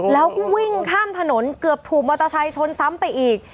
แล้วก็วิ่งข้ามถนนเกือบถูกมอเตอร์ไซค์ชนซ้ำไปอีก